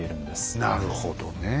なるほどねえ。